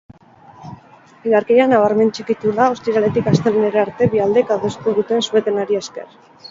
Indarkeria nabarmen txikitu da ostiraletik astelehenera arte bi aldeek adostu duten su-etenari esker.